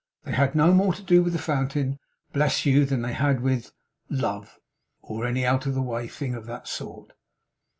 They had no more to do with the Fountain, bless you, than they had with with Love, or any out of the way thing of that sort.